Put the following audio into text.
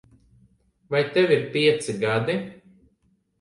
Vai tev ir pieci gadi?